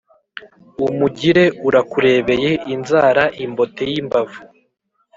um ugire urakurebeye inzara imbote y'imbavu